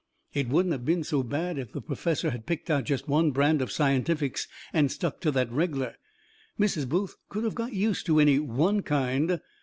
It wouldn't of been so bad if the perfessor had picked out jest one brand of scientifics and stuck to that reg'lar. Mrs. Booth could of got use to any ONE kind.